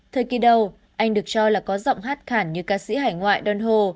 thời kỳ đầu anh được cho là có giọng hát khẳng như ca sĩ hải ngoại don ho